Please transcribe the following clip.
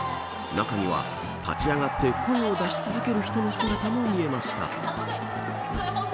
中には、立ち上がって声を出し続ける人々の姿も見ました。